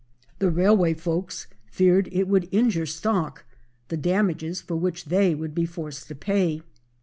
The railway folks feared it would injure stock, the damages for which they would be forced to pay.